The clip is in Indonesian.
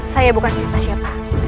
saya bukan siapa siapa